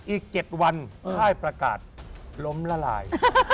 อีก๗วันค่ายประกาศล้มละลาย